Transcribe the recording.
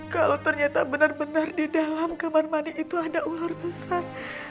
kalau ternyata benar benar di dalam kamar mandi itu ada ular besar